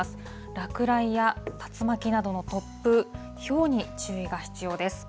落雷や竜巻などの突風、ひょうに注意が必要です。